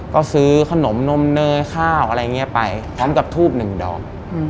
ก็ซื้อขนมนมเนยข้าวอะไรอย่างนี้ไปพร้อมกับทูบหนึ่งดอก